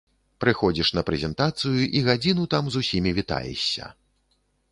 Прыходзіш на прэзентацыю і гадзіну там з усімі вітаешся.